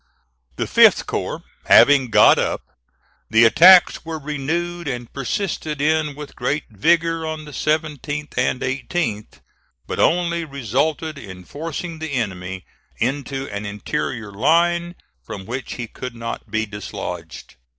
The 5th corps having got up, the attacks were renewed and persisted in with great vigor on the 17th and 18th, but only resulted in forcing the enemy into an interior line, from which he could not be dislodged.